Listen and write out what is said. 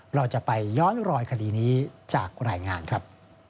เราจะไปย้อนรอยคดีนี้จากรายงานครับ